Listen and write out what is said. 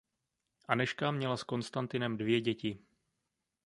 Anežka měla s Konstantinem dvě děti.